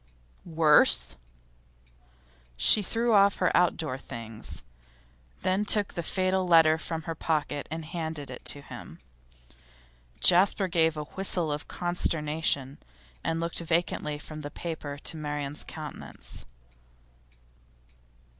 'Worse?' She threw off her outdoor things, then took the fatal letter from her pocket and handed it to him. Jasper gave a whistle of consternation, and looked vacantly from the paper to Marian's countenance.